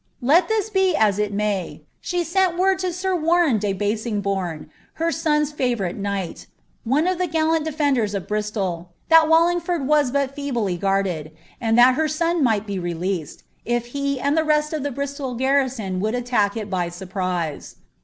Let this be as it may, she sent word to Sir Warren de Basingboume, her son's favourite knight, one of the gallant defenders of Bnstol, that Wallingford was but feebly guarded, and that her son might be released, if he and the rest of the Bristol garrison would attack ii by surprise.